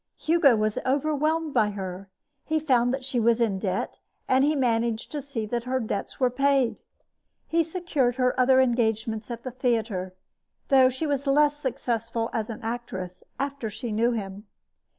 Hugo was overwhelmed by her. He found that she was in debt, and he managed to see that her debts were paid. He secured her other engagements at the theater, though she was less successful as an actress after she knew him.